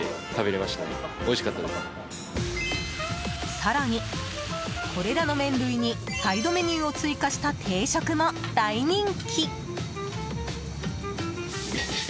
更に、これらの麺類にサイドメニューを追加した定食も大人気。